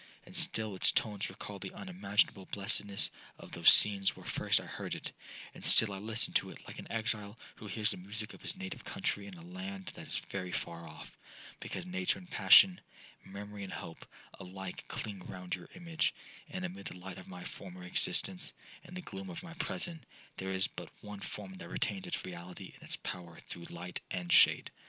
And still its tones recal the unimaginable blessedness of those scenes where first I heard it,—and still I listen to it like an exile who hears the music of his native country in a land that is very far off,—because nature and passion, memory and hope, alike cling round your image; and amid the light of my former existence, and the gloom of my present, there is but one form that retains its reality and its power through light and shade.